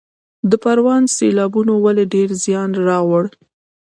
د پروان سیلابونو ولې ډیر زیان واړوه؟